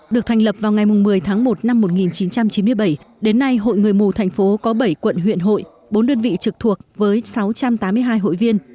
được thành lập vào ngày một mươi tháng một năm một nghìn chín trăm chín mươi bảy đến nay hội người mù thành phố có bảy quận huyện hội bốn đơn vị trực thuộc với sáu trăm tám mươi hai hội viên